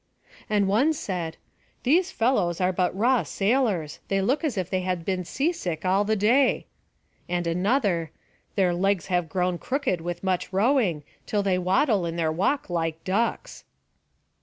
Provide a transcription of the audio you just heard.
And one said; "These fellows are but raw sailors; they look as if they had been sea sick all the day." And another: "Their legs have grown crooked with much rowing, till they waddle in their walk like ducks."